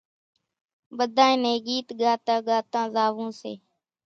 ٻڌانئين نين ڳيت ڳاتان ڳاتان زاوون سي